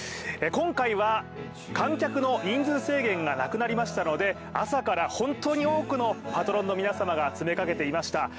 今回は観客の人数制限がなくなりましたので朝から本当に多くのパトロンの皆様が詰めかけていました。